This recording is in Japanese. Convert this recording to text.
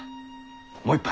もう一杯！